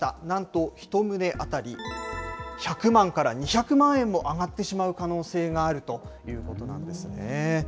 なんと１棟当たり１００万から２００万円も上がってしまう可能性があるということなんですね。